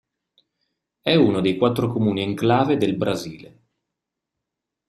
È uno dei quattro comuni enclave del Brasile.